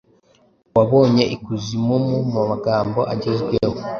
Uwabonye ikuzimumu magambo agezweho